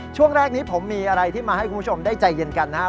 ช่วงแรกนี้ผมมีอะไรที่มาให้คุณผู้ชมได้ใจเย็นกันนะครับ